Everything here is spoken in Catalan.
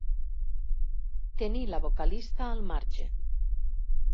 Tenir la vocalista al marge.